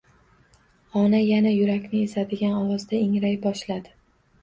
Ona yana yurakni ezadigan ovozda ingray boshladi